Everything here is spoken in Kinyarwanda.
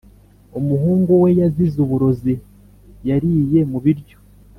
umuhungu weyazize uburozi yariye mubiryo